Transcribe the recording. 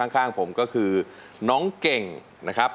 ข้างผมก็คือน้องเก่งนะครับ